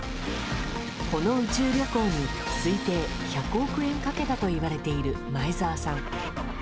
この宇宙旅行に推定１００億円かけたといわれている前澤さん。